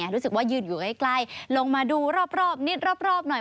รู้สึกว่ายืนอยู่ใกล้ลงมาดูรอบนิดรอบหน่อย